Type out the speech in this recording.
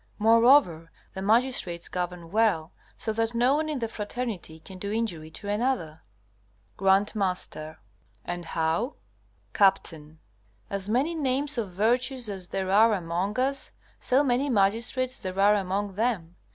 Moreover, the magistrates govern well, so that no one in the fraternity can do injury to another. G.M. And how? Capt. As many names of virtues as there are among us, so many magistrates there are among them.